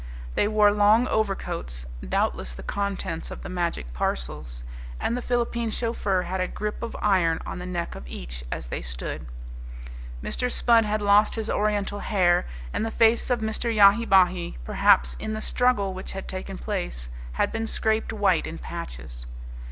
They wore long overcoats, doubtless the contents of the magic parcels, and the Philippine chauffeur had a grip of iron on the neck of each as they stood. Mr. Spudd had lost his Oriental hair, and the face of Mr. Yahi Bahi, perhaps in the struggle which had taken place, had been scraped white in patches.